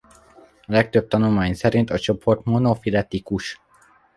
A legtöbb tanulmány szerint a csoport monofiletikus.